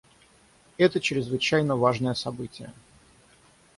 Это чрезвычайно важное событие.